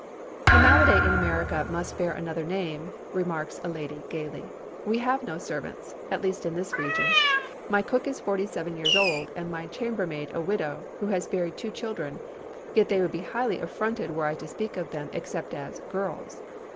'" "The malady in America must bear another name," remarks a lady, gayly. "We have no servants—at least in this region. My cook is forty seven years old, and my chambermaid a widow, who has buried two children; yet they would be highly affronted were I to speak of them except as 'girls.